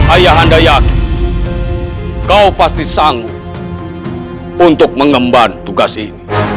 ayah anda yakin kau pasti sanggup untuk mengemban tugas ini